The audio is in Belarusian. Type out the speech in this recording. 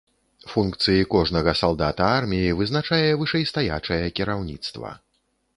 Функцыі кожнага салдата арміі вызначае вышэйстаячае кіраўніцтва.